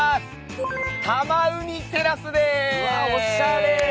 うわおしゃれ。